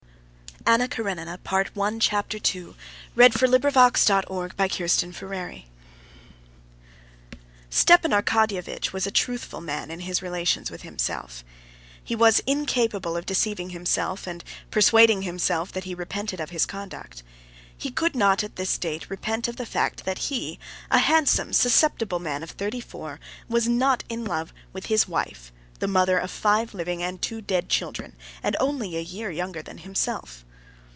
What's to be done?" he said to himself in despair, and found no answer. Chapter 2 Stepan Arkadyevitch was a truthful man in his relations with himself. He was incapable of deceiving himself and persuading himself that he repented of his conduct. He could not at this date repent of the fact that he, a handsome, susceptible man of thirty four, was not in love with his wife, the mother of five living and two dead children, and only a year younger than himself.